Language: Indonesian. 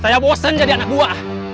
saya bosen jadi anak buah